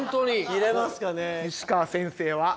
着れますかね。